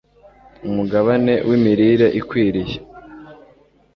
Umugabane wI mirire Ikwiriye